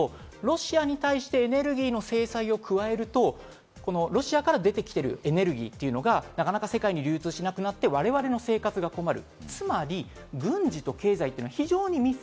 これはやっぱりなんでかっていうとロシアに対してエネルギーの制裁を加えると、ロシアから出てきているエネルギーっていうのが、なかなか世界に流通しなくなって我々の生活が困る。